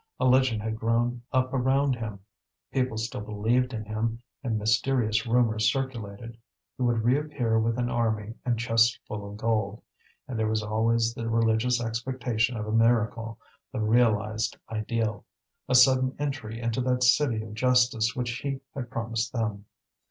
A legend had grown up around him. People still believed in him and mysterious rumours circulated: he would reappear with an army and chests full of gold; and there was always the religious expectation of a miracle, the realized ideal, a sudden entry into that city of justice which he had promised them.